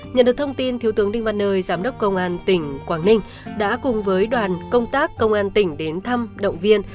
nhận được thông tin thiếu tướng đinh văn nơi giám đốc công an tỉnh quảng ninh đã cùng với đoàn công tác công an tỉnh đến thăm động viên